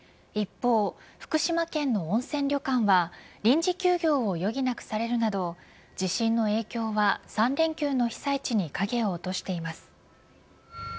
一方、福島県の温泉旅館は臨時休業を余儀なくされるなど地震の影響は、３連休の被災地に影を落としています。